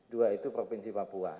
dua itu provinsi papua